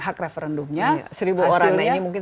hak referendumnya seribu orang ini mungkin